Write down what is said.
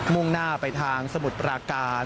่งหน้าไปทางสมุทรปราการ